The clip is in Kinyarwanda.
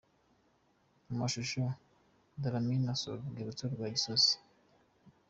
Mu mashusho: Dlamini asura urwibutso rwa Gisozi .